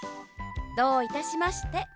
どういたしまして。